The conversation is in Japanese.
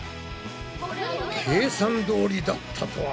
計算どおりだったとは。